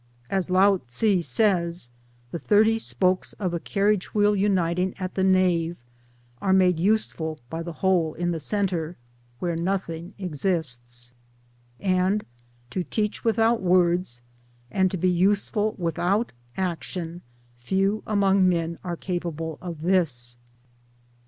As Lao tsze says " The thirty spokes of a carriage wheel uniting at the nave are made useful by the hole in the centre, 2 where nothing exists," and " To teach without words and to be useful without action, few among men are capable of this."